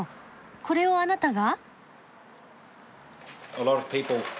これをあなたが？